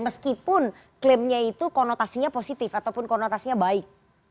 meskipun klaimnya itu konotasinya positif ataupun konotasinya baik